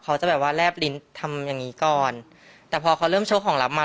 เขาจะแบบว่าแลบลิ้นทำอย่างงี้ก่อนแต่พอเขาเริ่มโชคของรับมา